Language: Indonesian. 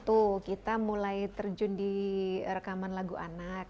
tahun sembilan puluh satu kita mulai terjun di rekaman lagu anak